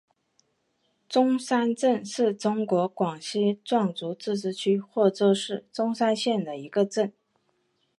钟山镇是中国广西壮族自治区贺州市钟山县的一个镇。